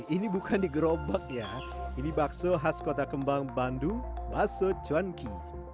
ini bukan di gerobak ya ini bakso khas kota kembang bandung bakso cuanki